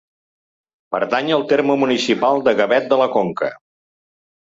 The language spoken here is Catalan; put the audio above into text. Pertany al terme municipal de Gavet de la Conca.